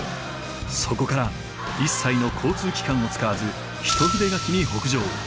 そこから一切の交通機関を使わず一筆書きに北上。